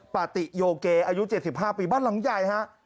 ปฏิโยเกอายุ๗๕ปีบ้านหลังใหญ่ฮะ